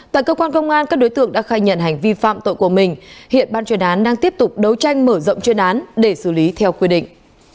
tại cơ quan công an các đối tượng đã khai nhận hành vi phạm tội của mình hiện ban chuyên án đang tiếp tục đấu tranh mở rộng chuyên án để xử lý theo quy định